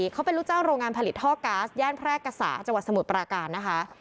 เขาเป็นลูกจ้างโรงงานผลิตท่อก๊าซย่านแพร่กษาจังหวัดสมุทรปราการนะคะ